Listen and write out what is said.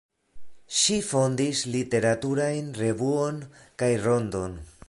Ŝi fondis literaturajn revuon kaj rondon.